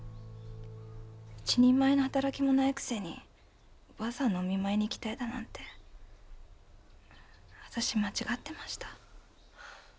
一人前の働きもないくせにおばあさんのお見舞いに行きたいだなんて私間違ってました。